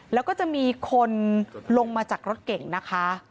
แล้วก็จะมีคนลงมาจากรถเก่งนะคะ